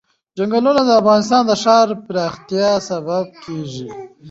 چنګلونه د افغانستان د ښاري پراختیا سبب کېږي.